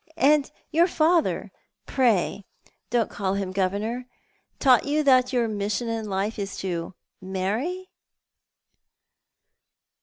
And your father — pray don't call him governor— taught you that your mission in life is to marry